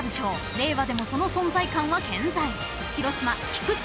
令和でもその存在感は健在］